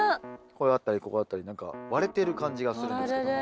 ここだったりここだったり何か割れてる感じがするんですけども。